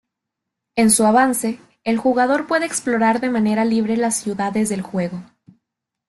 En su avance, el jugador puede explorar de manera libre las ciudades del juego.